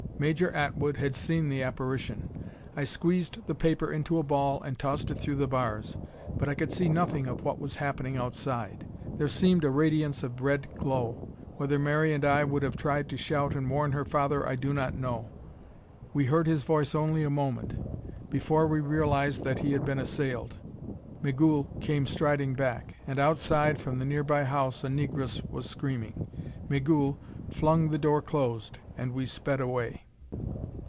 Major Atwood had seen the apparition. I squeezed the paper into a ball and tossed it through the bars, but I could see nothing of what was happening outside. There seemed a radiance of red glow. Whether Mary and I would have tried to shout and warn her father I do not know. We heard his voice only a moment. Before we realized that he had been assailed. Migul came striding back; and outside, from the nearby house a negress was screaming. Migul flung the door closed, and we sped away.